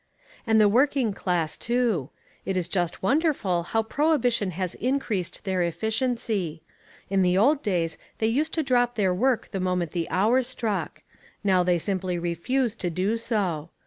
And the working class too. It is just wonderful how prohibition has increased their efficiency. In the old days they used to drop their work the moment the hour struck. Now they simply refuse to do so.